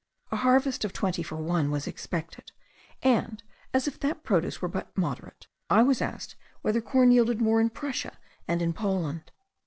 A harvest of twenty for one was expected; and, as if that produce were but moderate, I was asked whether corn yielded more in Prussia and in Poland.